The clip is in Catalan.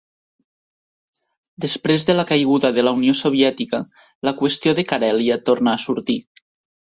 Després de la caiguda de la Unió Soviètica la qüestió de Carèlia tornà a sortir.